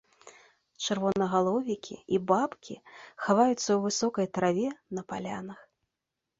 Чырвонагаловікі і бабкі хаваюцца ў высокай траве на палянах.